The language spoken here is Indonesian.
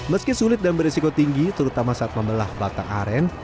meski sulit dan beresiko tinggi terutama saat membelah batang aren